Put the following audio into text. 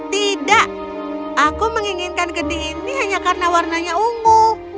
tidak aku menginginkan kedi ini hanya karena warnanya ungu